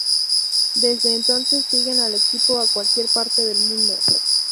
Desde entonces siguen al equipo a cualquier parte del mundo.